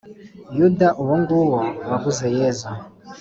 yuda uwonguwo waguze yezu